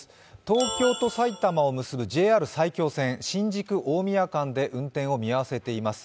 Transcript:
東京と埼玉を結ぶＪＲ埼京線、新宿−大宮で運転を見合わせています。